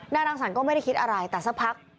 นางรังสรรค์ก็ไม่ได้คิดอะไรแต่สักพัก